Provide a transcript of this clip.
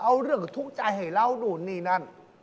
เอาเรื่องทุกข์ใจให้เรานู่นนี่นั่น